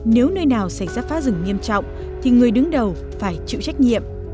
nếu nơi nào xảy ra phá rừng nghiêm trọng thì người đứng đầu phải chịu trách nhiệm